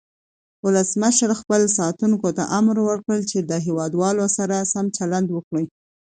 ولسمشر خپلو ساتونکو ته امر وکړ چې د هیواد والو سره سم چلند وکړي.